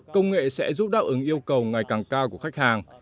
công nghệ sẽ giúp đáp ứng yêu cầu ngày càng cao của khách hàng